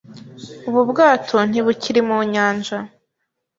Ubu bwato ntibukiri mu nyanja.